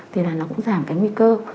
thì là nó cũng giảm cái nguy cơ